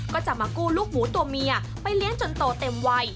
ก็จะมากู้ลูกหมูตัวเมียไปเลี้ยงจนโตเต็มวัย